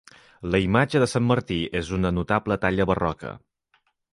La imatge de Sant Martí és una notable talla barroca.